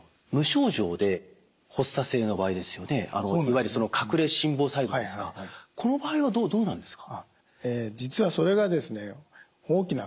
気になるのはいわゆる隠れ心房細動ですかこの場合はどうなんですか？